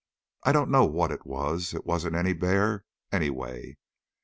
I don't know what it was. It wasn't a bear any way.